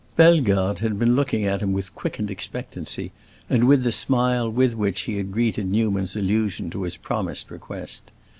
Bellegarde had been looking at him with quickened expectancy, and with the smile with which he had greeted Newman's allusion to his promised request.